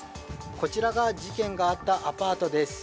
こちらが事件があったアパートです。